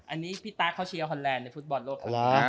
อันนี้พี่ตั๊กเขาเชียร์ฮอนแลนด์ในฟุตบอลโลก